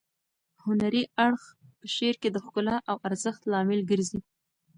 هنري اړخ په شعر کې د ښکلا او ارزښت لامل ګرځي.